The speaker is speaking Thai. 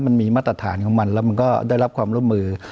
มันมีมาตรฐานของมันแล้วมันก็ได้รับความร่วมมือ